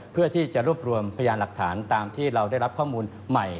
เพื่อที่จะรวบรวมพยานหลักฐานตามที่เราได้รับข้อมูลใหม่